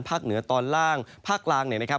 เหนือตอนล่างภาคกลางเนี่ยนะครับ